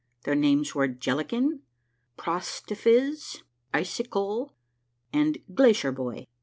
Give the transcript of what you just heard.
Their names were Jellikin, Phrostyphiz, Icikul, and Glacierbhoy.